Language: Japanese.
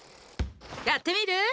やってみる？